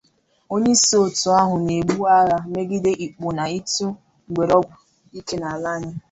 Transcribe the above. onyeisi òtù ahụ na-ebu agha megide ịkpọ na ịtụ mgbere ọgwụ ike n'ala anyị